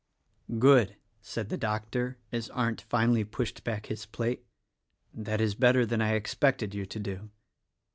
"Good!" said the doctor as Arndt finally pushed back his plate, "that is better than I expected you to do."